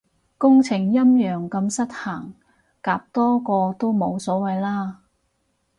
工程陰陽咁失衡，夾多個都冇所謂啦